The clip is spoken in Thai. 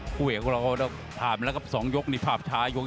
พั่มอยกครับ